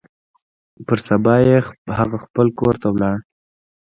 پر سبا يې هغه خپل کور ته ولاړ.